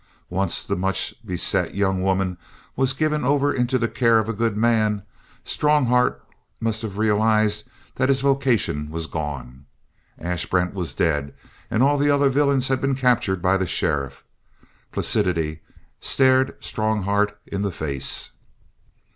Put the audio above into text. Once the much beset young woman was given over into the care of a good man, Strongheart must have realized that his vocation was gone. Ash Brent was dead and all the other villains had been captured by the Sheriff. Placidity stared Strongheart in the face.